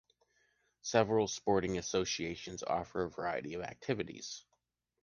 Several sporting associations offer a variety of activities.